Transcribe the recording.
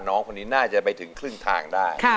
น้องคนนี้น่าจะไปถึงครึ่งทางได้